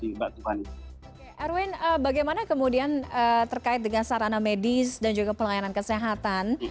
oke erwin bagaimana kemudian terkait dengan sarana medis dan juga pelayanan kesehatan